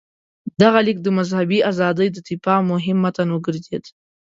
دغه لیک د مذهبي ازادۍ د دفاع مهم متن وګرځېد.